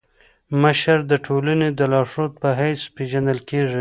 مشر د ټولني د لارښود په حيث پيژندل کيږي.